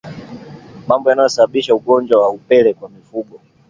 Mambo yanayosababisha ugonjwa wa upele kwa mifugo